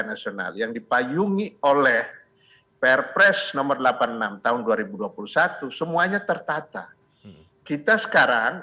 nasional yang dipayungi oleh perpres nomor delapan puluh enam tahun dua ribu dua puluh satu semuanya tertata kita sekarang